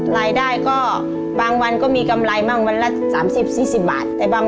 รายได้ก็บางวันก็มีกำไรบ้างวันละ๓๐๔๐บาท